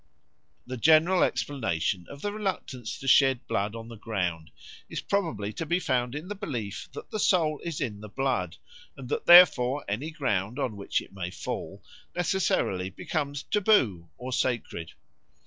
The general explanation of the reluctance to shed blood on the ground is probably to be found in the belief that the soul is in the blood, and that therefore any ground on which it may fall necessarily becomes taboo or sacred.